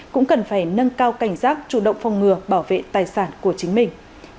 cũng cần phải nâng cao cảnh giác chủ động phòng ngừa bảo vệ tài sản của chính mình